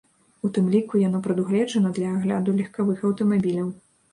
У тым ліку яно прадугледжана для агляду легкавых аўтамабіляў.